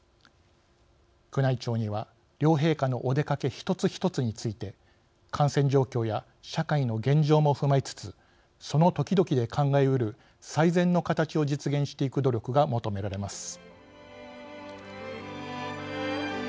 宮内庁には、両陛下のお出かけ一つ一つについて感染状況や社会の現状も踏まえつつその時々で考えうる最善の形を実現していく努力が求められます。